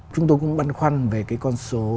chúng tôi cũng băn khoăn về cái con số